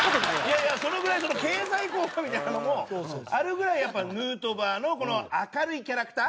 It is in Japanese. いやいやそのぐらい経済効果みたいなのもあるぐらいやっぱヌートバーのこの明るいキャラクター。